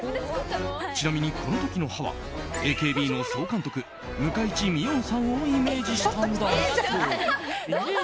ちなみに、この時の歯はＡＫＢの総監督向井地美音さんをイメージしたんだそう。